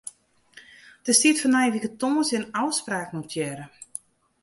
Der stiet foar nije wike tongersdei in ôfspraak notearre.